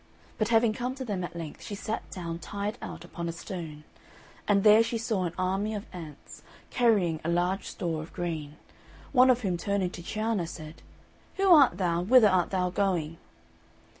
But having come to them at length, she sat down tired out upon a stone; and there she saw an army of ants, carrying a large store of grain, one of whom turning to Cianna said, "Who art thou, and whither art thou going?"